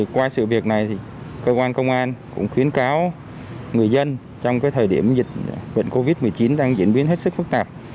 qua sự việc này cơ quan công an cũng khuyến cáo người dân trong thời điểm dịch bệnh covid một mươi chín đang diễn biến hết sức phức tạp